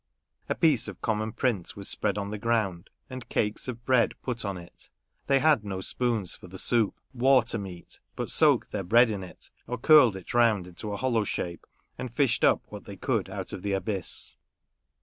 A piece of common print was spread on the ground, and cakes of bread put on it. They had no spoons for the soup, "water meat," but soaked their bread in it, or curled it round into a hollow shape, and fished up what they could out of the abyss.